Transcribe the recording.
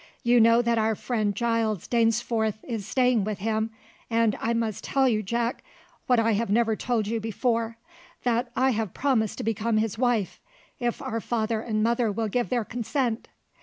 You know that our friend Giles Dainsforth is staying with him, and I must tell you, Jack, what I have never told you before, that I have promised to become his wife, if our father and mother will give their consent.